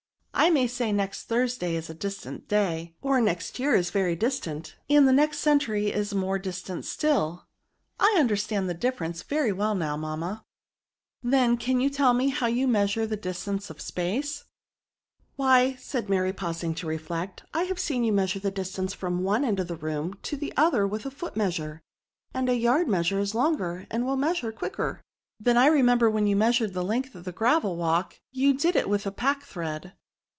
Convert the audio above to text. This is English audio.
I may say next Thursday is a distant day, or next year is very distant, and the next century is more distant still.*' *' I understand the difference very well now, mamma." s 194 DEMONSTRATIVE PRONOUNS. " Then can you tell me how you measure the distance of space ?" "Why," said Mary, pausing to reflect, "I have seen you measure the distance from one end of the room to the other with a foot measure ; and a yard measure is longer, and will measure quicker. Then I remember when you measured the length of the gravel walk, you did it with a packthread."